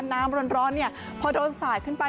น้ำร้อนเนี่ยพอโดนสาดขึ้นไป